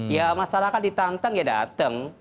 ya masalah kan ditantang ya datang